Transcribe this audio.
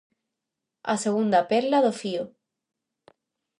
A segunda perla do fío.